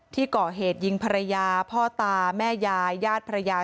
ที่ก่อเหตุยิงภรรยาพ่อตาแม่ยายญาติภรรยา